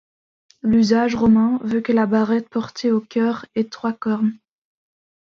L'usage romain veut que la barrette portée au chœur ait trois cornes.